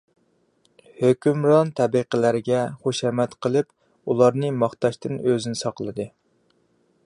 ھۆكۈمران تەبىقىلەرگە خۇشامەت قىلىپ، ئۇلارنى ماختاشتىن ئۆزىنى ساقلىدى.